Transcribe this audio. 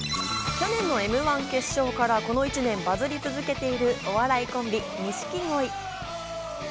去年の『Ｍ−１』決勝からこの１年、バズり続けているお笑いコンビ・錦鯉。